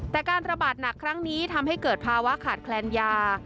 แต่การระบาดหนักครั้งนี้ทำให้เกิดภาวะขาดแคลนยา